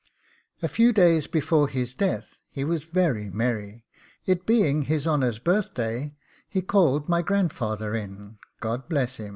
A few days before his death he was very merry; it being his honour's birthday, he called my grandfather in God bless him!